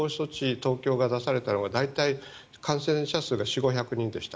東京が出されたのが大体、感染者数が４００５００人でした。